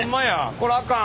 こらあかん。